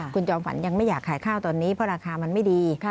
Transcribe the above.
คุณจอมฝันยังไม่อยากขายข้าวตอนนี้เพราะราคามันไม่ดี